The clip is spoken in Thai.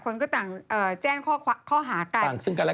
รถแพงคันนึง